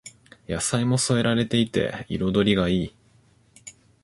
野菜も添えられていて彩りがいい